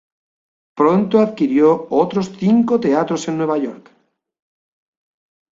Pronto adquirió otros cinco teatros en Nueva York.